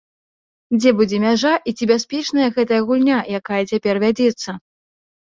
Дзе будзе мяжа, і ці бяспечная гэтая гульня, якая цяпер вядзецца?